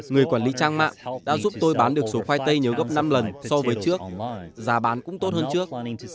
người quản lý trang mạng đã giúp tôi bán được số khoai tây nhiều gấp năm lần so với trước giá bán cũng tốt hơn trước